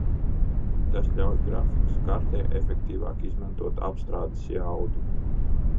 Tas ļauj grafikas kartei efektīvāk izmantot apstrādes jaudu.